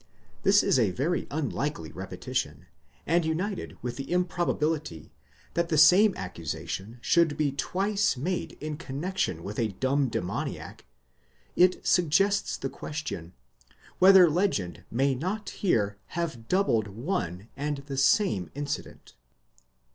'This isa very unlikely repetition, and united with the improbability, that the same accusation should be twice made in connexion with a dumb demoniac, it suggests the question, whether legend may not here have doubled one and the same incident?